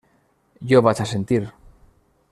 Jo vaig assentir.